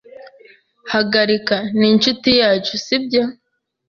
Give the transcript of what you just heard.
Hagarika. Ni inshuti yacu, si byo?